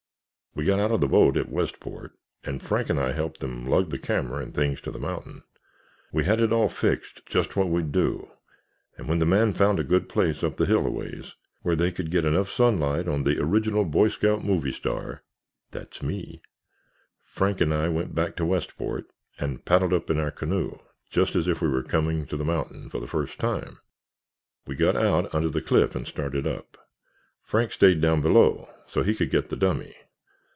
We got out of the boat at Westport and Frank and I helped them lug the camera and things to the mountain. We had it all fixed just what we'd do and when the man found a good place up the hill a ways, where they could get enough sunlight on the only original Boy Scout movie star—that's me!—Frank and I went back to Westport, and paddled up in our canoe, just as if we were coming to the mountain for the first time. We got out under the cliff and I started up. Frank stayed down below so he could get the dummy!